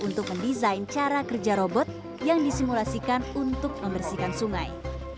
untuk mendesain cara kerja robot yang disimulasikan untuk membersihkan sungai